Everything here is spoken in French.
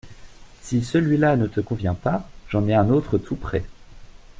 Si celui-là ne te convient pas, j’en ai un autre tout prêt…